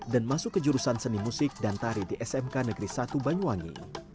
dan masuk ke jurusan seni musik dan tari di smk negeri satu banyuwangi